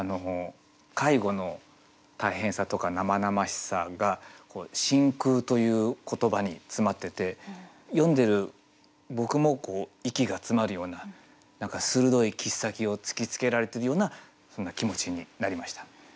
介護の大変さとか生々しさが「真空」という言葉に詰まってて読んでる僕も息が詰まるような何か鋭い切っ先を突きつけられてるようなそんな気持ちになりました。